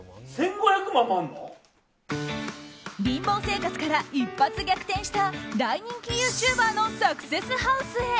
貧乏生活から一発逆転した大人気ユーチューバーのサクセスハウスへ。